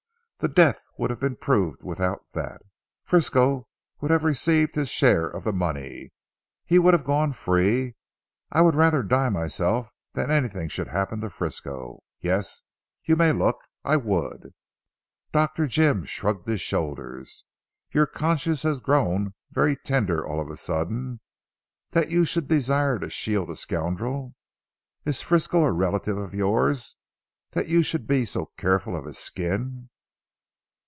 The death would have been proved without that. Frisco would have received his share of the money. He would have gone free. I would rather die myself than that anything should happen to Frisco. Yes, you may look; I would." Dr. Jim shrugged his shoulders. "Your conscience has grown very tender all of a sudden, that you should desire to shield a scoundrel. Is Frisco a relative of yours that you should be so careful of his skin?"